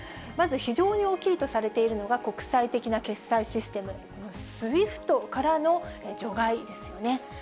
まず非常に大きいとされているのが、国際的な決済システム、ＳＷＩＦＴからの除外ですね。